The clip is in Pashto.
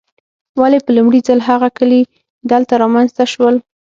ولې په لومړي ځل هغه کلي دلته رامنځته شول.